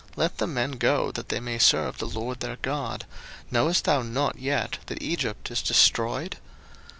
let the men go, that they may serve the LORD their God: knowest thou not yet that Egypt is destroyed?